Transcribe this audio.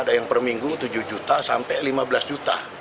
ada yang per minggu tujuh juta sampai lima belas juta